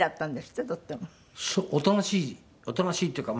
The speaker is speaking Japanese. おとなしいおとなしいっていうかまあ。